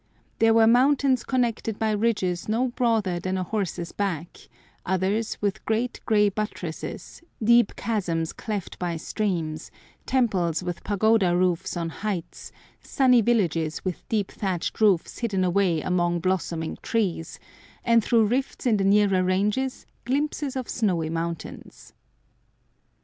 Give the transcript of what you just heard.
There were mountains connected by ridges no broader than a horse's back, others with great gray buttresses, deep chasms cleft by streams, temples with pagoda roofs on heights, sunny villages with deep thatched roofs hidden away among blossoming trees, and through rifts in the nearer ranges glimpses of snowy mountains.